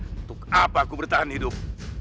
untuk apa aku bertahan hidup